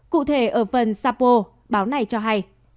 cụ thể ở phần sapo báo này cho hay